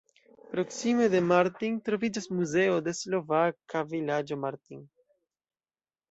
Proksime de Martin troviĝas Muzeo de slovaka vilaĝo Martin.